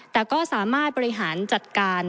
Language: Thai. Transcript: แต่ก็สามารถบริหารจัดการ